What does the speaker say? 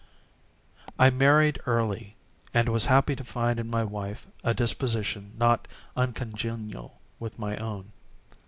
I married early, and was happy to find in my wife a disposition not uncongenial with my own.